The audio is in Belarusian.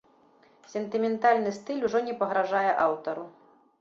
Сентыментальны стыль ужо не пагражае аўтару.